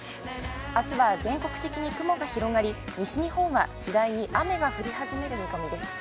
あすは全国的に雲が広がり、西日本は次第に雨が降り始める見込みです。